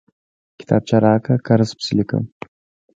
کتابچه راکړه، قرض پسې ليکم!